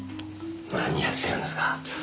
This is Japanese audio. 何やってるんですか？